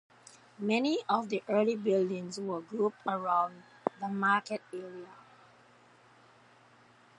Many of the early buildings were grouped around the market area.